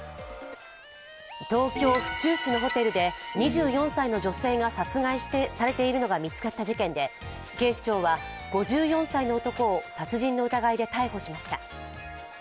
東京・府中市のホテルで２４歳の女性が死亡しているのが見つかった事件で警視庁は５４歳の男を殺人の疑いで逮捕しました。